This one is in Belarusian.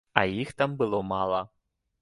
А іх там было мала.